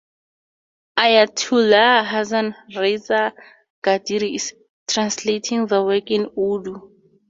Ayatullah Hasan Raza Ghadiri is translating the work in Urdu.